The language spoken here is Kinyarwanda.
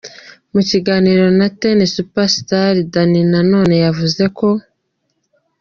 Mu kiganiro na Ten Super Star, Danny Nanone yavuze ko.